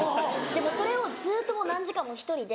でもうそれをずっと何時間も１人で。